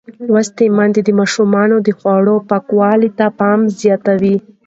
لوستې میندې د ماشومانو د خوړو پاکولو ته پام زیاتوي.